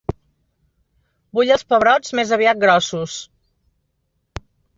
Vull els pebrots més aviat grossos.